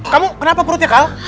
kamu kenapa perutnya kal